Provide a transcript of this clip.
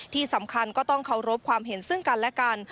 ที่สำคัญก็ต้องเคารพความเห็นซึ่งกันและกัน